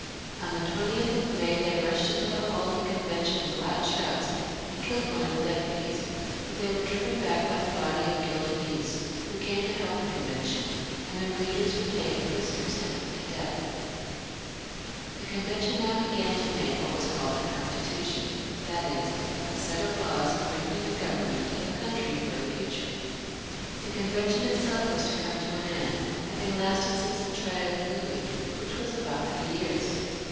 On the 20th of May they rushed into the hall of the Convention with loud shouts, and killed one of the deputies, but they were driven back by the body of Gilded Youths, who came to help the Convention, and their leaders were taken prisoners and put to deatL The Convention now began to make what was called the Constitution, that is, a set of laws, arranging the government of the country for the future. The Convention itself was to come to an end, having lasted since the trial of Louis, which was about three years.